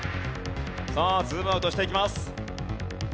さあズームアウトしていきます。